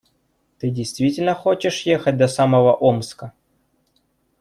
Ты действительно хочешь ехать до самого Омска?